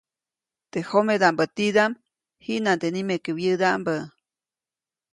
Teʼ jomedaʼmbä tidaʼm, jiʼnande nimeke wyädaʼmbä.